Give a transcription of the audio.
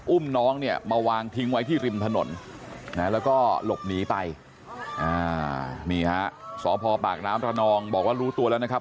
อุ้มน้องเนี่ยมาวางทิ้งไว้ที่ริมถนนนะแล้วก็หลบหนีไปนี่ฮะสพปากน้ำระนองบอกว่ารู้ตัวแล้วนะครับ